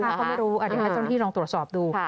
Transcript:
เขาไม่รู้อาจจะให้ต้นที่ลองตรวจสอบดู